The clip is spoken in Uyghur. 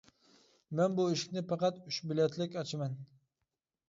-مەن بۇ ئىشىكنى پەقەت ئۈچ بېلەتلىك ئاچىمەن.